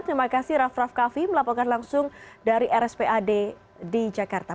terima kasih raff raff kaffi melaporkan langsung dari rspad di jakarta